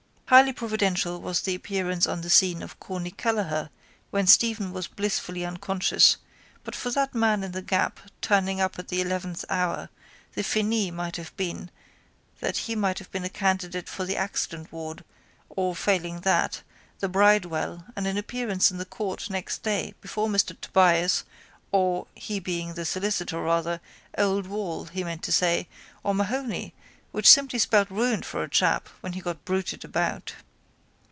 Highly providential was the appearance on the scene of Corny Kelleher when Stephen was blissfully unconscious but for that man in the gap turning up at the eleventh hour the finis might have been that he might have been a candidate for the accident ward or, failing that, the bridewell and an appearance in the court next day before Mr Tobias or, he being the solicitor rather, old Wall, he meant to say, or Mahony which simply spelt ruin for a chap when it got bruited about.